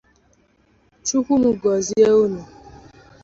Nawgụ